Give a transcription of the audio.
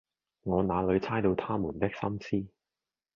我那裏猜得到他們的心思，